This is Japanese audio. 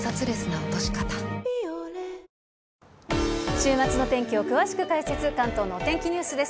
週末の天気を詳しく解説、関東のお天気ニュースです。